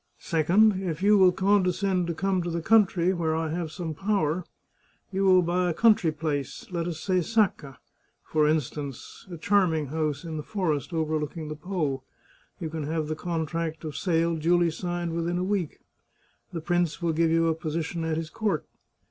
Second, if you will condescend to come to the country where I have some power, you will buy a country place — let us say Sacca, for instance, a charming house in the forest overlooking the Po ; you can have the contract of sale duly signed within a week. The prince will give you a position at his court.